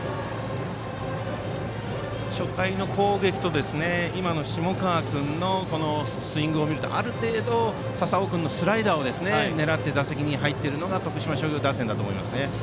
初回の攻撃と今の下川君のスイングを見るとある程度、笹尾君のスライダーを狙って打席に入っているのが徳島商業打線ですね。